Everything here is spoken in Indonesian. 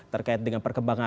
terkait dengan perkembangan